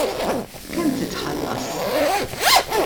Kemm titħallas?